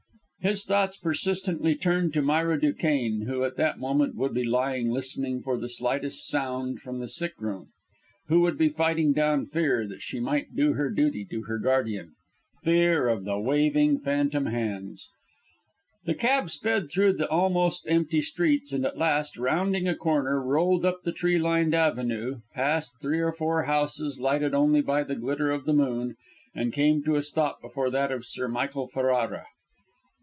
His thoughts persistently turned to Myra Duquesne, who at that moment would be lying listening for the slightest sound from the sick room; who would be fighting down fear, that she might do her duty to her guardian fear of the waving phantom hands. The cab sped through the almost empty streets, and at last, rounding a corner, rolled up the tree lined avenue, past three or four houses lighted only by the glitter of the moon, and came to a stop before that of Sir Michael Ferrara.